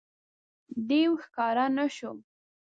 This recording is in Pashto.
دېو ښکاره نه شو.